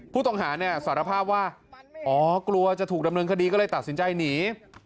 ผู้ต้องหาเนี่ยสารภาพว่าอ๋อกลัวจะถูกดำเนินคดีก็เลยตัดสินใจหนี